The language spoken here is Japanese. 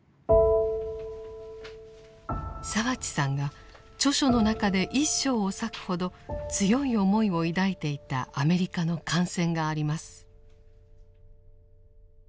澤地さんが著書の中で一章を割くほど強い思いを抱いていたアメリカの艦船があります。